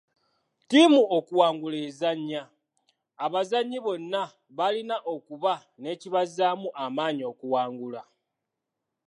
Ttiimu okuwangula enzannya, abazannyi bonna balina okuba n'ekibazzaamu amaanyi okuwangula.